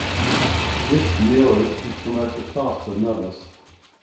This Murid is promoted faster than others.